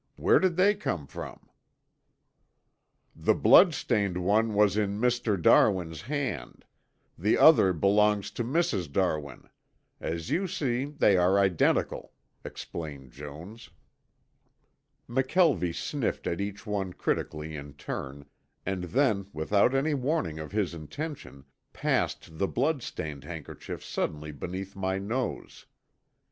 "Where did they come from?" "The blood stained one was in Mr. Darwin's hand. The other belongs to Mrs. Darwin. As you see, they are identical," explained Jones. McKelvie sniffed at each one critically in turn, and then without any warning of his intention, passed the blood stained handkerchief suddenly beneath my nose.